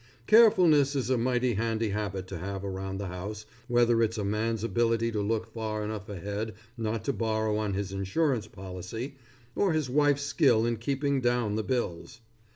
Carefulness is a mighty handy habit to have around the house, whether it's a man's ability to look far enough ahead not to borrow on his insurance policy, or his wife's skill in keeping down the bills.